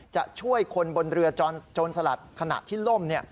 จะช่วยคนบนเรือโจรสลัดขณะที่ล่ม